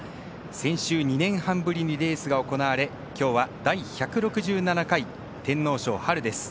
先週、２年半ぶりにレースが行われ今日は第１６７回天皇賞です。